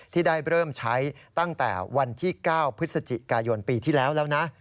ที่ได้เริ่มใช้ตั้งแต่วันที่๙พฤศจิกายนปีที่แล้วแล้วนะ